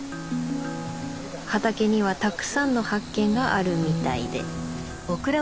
畑にはたくさんの発見があるみたいで。